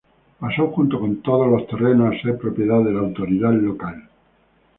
Pasó, junto con todos los terrenos, a ser propiedad de la autoridad local.